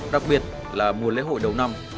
đặc biệt là mùa lễ hội đầu năm